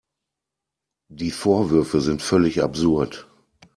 Die Vorwürfe sind völlig absurd.